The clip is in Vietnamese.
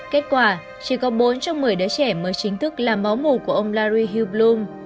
kết quả chỉ có bốn trong một mươi đứa trẻ mới chính thức là máu mù của ông larry hillblum